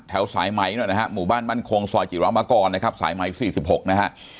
แถวสายไหมนะฮะหมู่บ้านมันคงสอยจิลำมาก่อนสายไหม๔๖นะฮะ